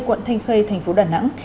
quận thanh khê tp đà nẵng